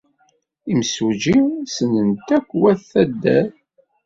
Imsujji ssnen-t akk wayt taddart.